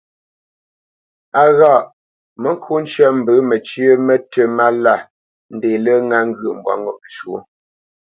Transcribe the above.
A ghâʼ : mə ŋko ncə mbə məcyə̌ mətʉ́ mála ndé lə ŋa ŋgyə̂ʼ mbwâ ŋo məshwɔ́.